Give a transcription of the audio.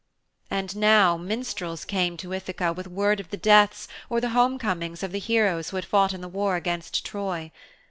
And now minstrels came to Ithaka with word of the deaths or the homecomings of the heroes who had fought in the war against Troy.